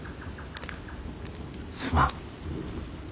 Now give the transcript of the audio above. すまん。